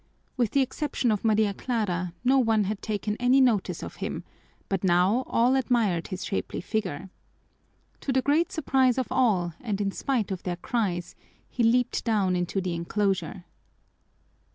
With the exception of Maria Clara, no one had taken any notice of him, but now all admired his shapely figure. To the great surprise of all and in spite of their cries, he leaped down into the enclosure.